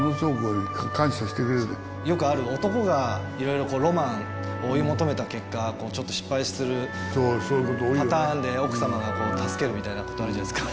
よくある、男がいろいろロマン追い求めた結果、ちょっと失敗するパターンで、奥様が助けるみたいなことあるじゃないですか。